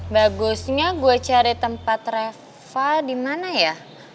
bagusnya gua cari tempat reval di mana ya